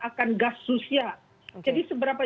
akan gas rusia jadi seberapa